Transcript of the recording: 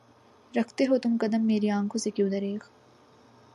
رکھتے ہو تم قدم میری آنکھوں سے کیوں دریغ؟